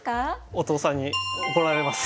お父さんに怒られます。